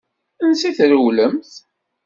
Ansa i trewlemt?